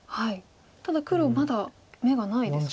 ただ黒まだ眼がないですか？